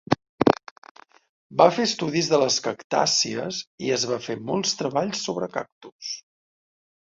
Va fer estudis de les cactàcies i es va fer molts treballs sobre cactus.